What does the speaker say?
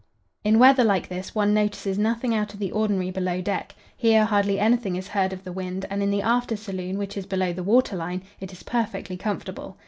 "In weather like this one notices nothing out of the ordinary below deck. Here hardly anything is heard of the wind, and in the after saloon, which is below the water line, it is perfectly comfortable.